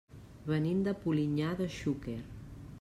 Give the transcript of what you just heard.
Venim de Polinyà de Xúquer.